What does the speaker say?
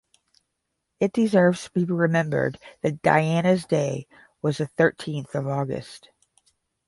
It deserves to be remembered that Diana's day was the thirteenth of August.